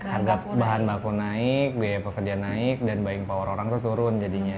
harga bahan baku naik biaya pekerja naik dan buying power orang itu turun jadinya